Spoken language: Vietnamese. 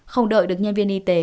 không đợi được nhân viên y tế